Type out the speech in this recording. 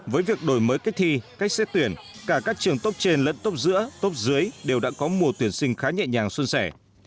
với việc đổi mới kết thi cách xét tuyển cả các trường tốt trên lẫn tốt giữa tốt dưới đều đã có mùa tuyển sinh khá nhẹ nhàng xuân sẻ